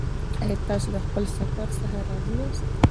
ایا تاسې له خپل سفر څخه راضي یاست؟